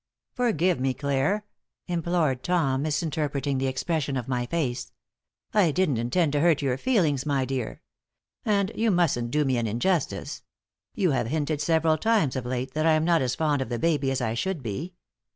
"Forgive me, Clare," implored Tom, misinterpreting the expression of my face. "I didn't intend to hurt your feelings, my dear. And you mustn't do me an injustice. You have hinted several times of late that I am not as fond of the baby as I should be.